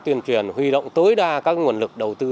tuyên truyền huy động tối đa các nguồn lực đầu tư